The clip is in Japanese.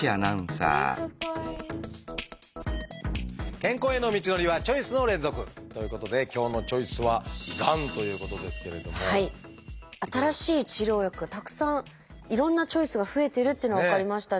健康への道のりはチョイスの連続！ということで今日の「チョイス」は新しい治療薬がたくさんいろんなチョイスが増えてるっていうのが分かりましたね。